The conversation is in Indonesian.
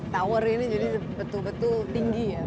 tower ini jadi betul betul tinggi ya